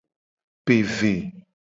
Pe ve.